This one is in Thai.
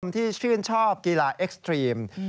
ที่ชื่นชอบกีฬาเอ็กซ์ตรีม